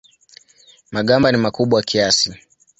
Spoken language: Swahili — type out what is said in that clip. Magamba ni makubwa kiasi.